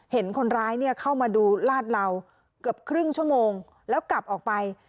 เห็นคนร้ายเนี่ยเข้ามาดูลาดเหลาเกือบครึ่งชั่วโมงแล้วกลับออกไป